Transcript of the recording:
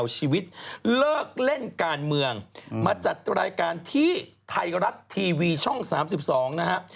ชื่อรายการที่ไทยรักทีวีช่อง๓๒นะฮะ